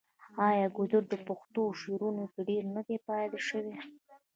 آیا ګودر د پښتو شعرونو کې ډیر نه دی یاد شوی؟